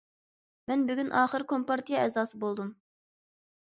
مەن بۈگۈن ئاخىر كومپارتىيە ئەزاسى بولدۇم.